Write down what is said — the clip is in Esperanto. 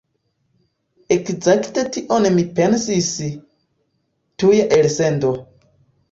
Ekzakte tion mi pensis... tuja elsendo